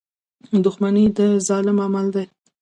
• دښمني د ظالم عمل دی.